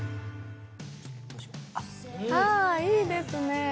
いいですね。